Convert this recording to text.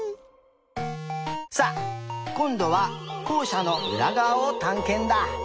さあこんどはこうしゃのうらがわをたんけんだ！